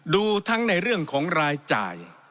ดูทั้งในเรื่องของรายจ่าย